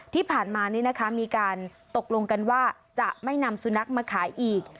ที่ผ่านมานี้นะคะมีการตกลงกันว่าจะไม่นำสุนัขมาขายอีก